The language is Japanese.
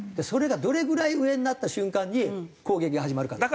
それがどれぐらい上になった瞬間に攻撃が始まるか。